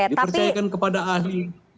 dipercayakan kepada ahli